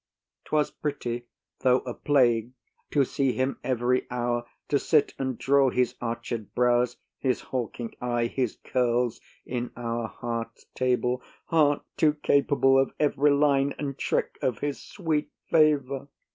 'Twas pretty, though a plague, To see him every hour; to sit and draw His arched brows, his hawking eye, his curls, In our heart's table,—heart too capable Of every line and trick of his sweet favour.